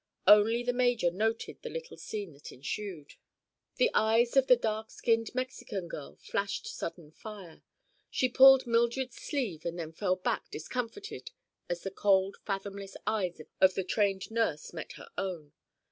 Only the major noted the little scene that ensued. The eyes of the dark skinned Mexican girl flashed sudden fire. She pulled Mildred's sleeve and then fell back discomfited as the cold, fathomless eyes of the trained nurse met her own.